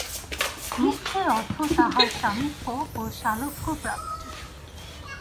মুক্তির অর্থ তাঁহার সামীপ্য ও সালোক্য-প্রাপ্তি।